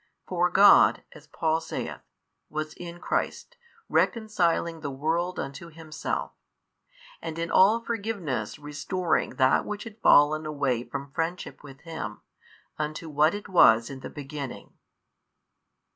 For God, as Paul saith, was in Christ, reconciling the world unto Himself, and in all forgiveness restoring that which had fallen away from friendship with Him, unto what it was in the beginning.